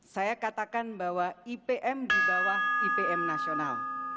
saya katakan bahwa ipm di bawah ipm nasional